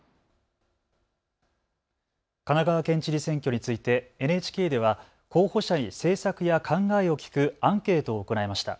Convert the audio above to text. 神奈川県知事選挙についてＮＨＫでは候補者に政策や考えを聞くアンケートを行いました。